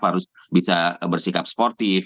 harus bisa bersikap sportif